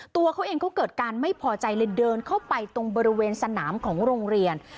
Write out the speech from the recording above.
ตัวเขาเองก็เกิดการไม่พอใจเลยเดินเข้าไปตรงบริเวณสนามของโรงเรียน